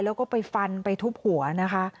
แล้วก็ไปฟันไปทุบหัวนะคะ